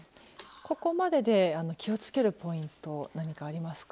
ここまでで気をつけるポイント何かありますか？